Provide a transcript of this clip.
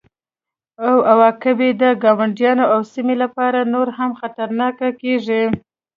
او عواقب یې د ګاونډیانو او سیمې لپاره نور هم خطرناکه کیږي